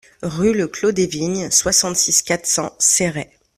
Rue Le Clos des Vignes, soixante-six, quatre cents Céret